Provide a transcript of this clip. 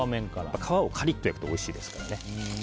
皮をカリッと焼くとおいしいですからね。